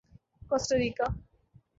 کوسٹا ریکا